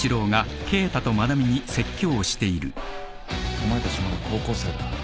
お前たちまだ高校生だ。